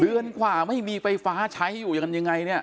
เดือนกว่าไม่มีไฟฟ้าใช้อยู่ยังไงเนี่ย